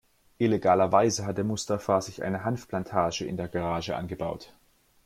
Illegalerweise hatte Mustafa sich eine Hanfplantage in der Garage angebaut.